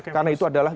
karena itu adalah